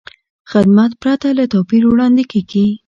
خدمت پرته له توپیر وړاندې کېږي.